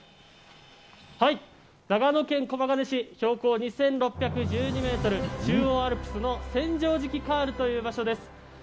長野県駒ケ根市、標高２６１２メートル、中央アルプスの千畳敷カールという場所です。